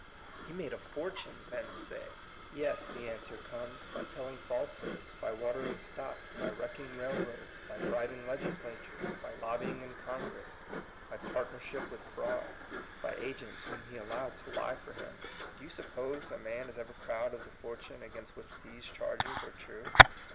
^'He made a fortune," men say. "Yes," the answer comes, "by telling falsehoods, by watering stock, by wreck ing railroads, by bribing legislatures, by lobbying in Congress, by partnership with fraud, by agents whom he allowed to lie for him." Do you suppose a man is ever proud of the fortune against which these charges are true?